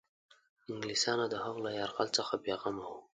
انګلیسیانو د هغه له یرغل څخه بېغمه وه.